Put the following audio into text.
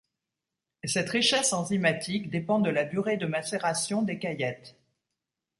Cette richesse enzymatique dépend de la durée de macération des caillettes.